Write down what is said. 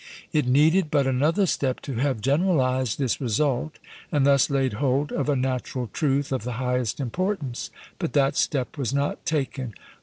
_ It needed but another step to have generalised this result, and thus laid hold of a natural truth of the highest importance; but that step was not taken.